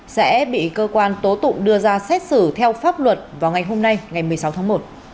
sẽ bị cơ quan tố tụng đưa ra xét xử theo pháp luật vào ngày hôm nay ngày một mươi sáu tháng một